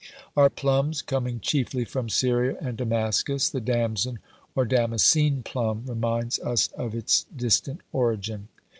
Our plums coming chiefly from Syria and Damascus, the damson, or damascene plum, reminds us of its distant origin.